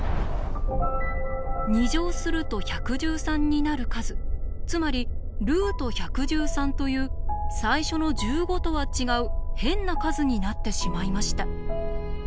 ２乗すると１１３になる数つまり√１１３という最初の１５とは違う変な数になってしまいました。